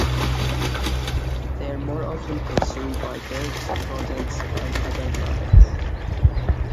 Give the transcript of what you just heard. They are more often consumed by birds, rodents and other mammals.